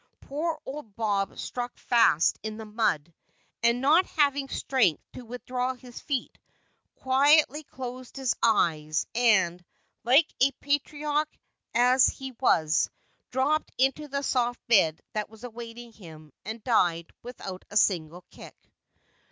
Poor old "Bob" stuck fast in the mud, and, not having strength to withdraw his feet, quietly closed his eyes, and, like a patriarch as he was, he dropped into the soft bed that was awaiting him, and died without a single kick.